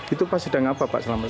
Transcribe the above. itu pas sedang apa pak selamat